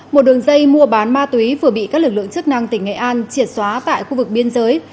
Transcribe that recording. một đường dây mua bán ma túy vừa bị các lực lượng chức năng tỉnh nghệ an triệt xóa tại khu vực biên giới